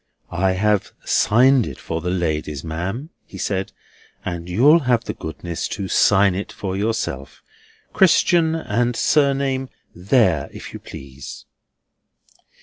"I have signed it for the ladies, ma'am," he said, "and you'll have the goodness to sign it for yourself, Christian and Surname, there, if you please."